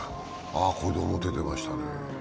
これで表に出ましたね。